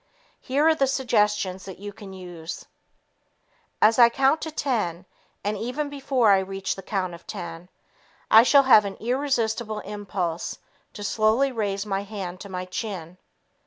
Here are the suggestions that you can use: "As I count to ten and even before I reach the count of ten, I shall have an irresistible impulse to slowly raise my hand to my chin.